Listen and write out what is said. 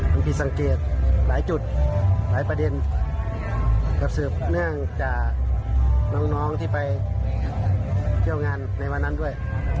บางทีสังเกตหลายจุดหลายประเด็นก็สืบเนื่องจากน้องที่ไปเที่ยวงานในวันนั้นด้วย